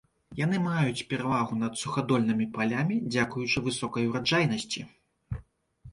Яны маюць перавагу над сухадольнымі палямі дзякуючы высокай ураджайнасці.